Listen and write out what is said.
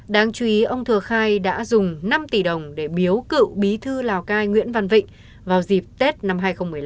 đáng chú ý ông thừa khai đã dùng năm tỷ đồng để biếu cựu bí thư lào cai nguyễn văn vịnh vào dịp tết năm hai nghìn một mươi năm